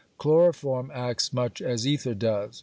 Chloroform acts much as ether does.